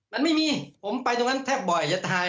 มันไม่มีผมไปตรงนั้นแทบบ่อย